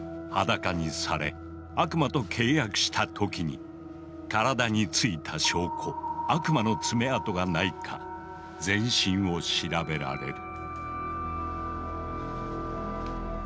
裸にされ悪魔と契約した時に体についた証拠悪魔の爪痕がないか全身を調べられる。